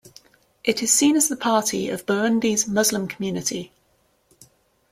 It is seen as the party of Burundi's Muslim community.